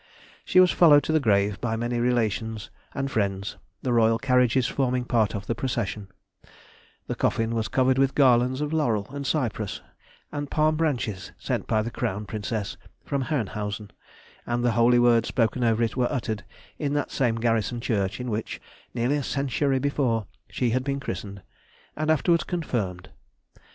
She was followed to the grave by many relations and friends, the Royal carriages forming part of the procession; the coffin was covered with garlands of laurel and cypress and palm branches sent by the Crown Princess from Herrnhausen, and the holy words spoken over it were uttered in that same garrison church in which, nearly a century before, she had been christened, and afterwards confirmed.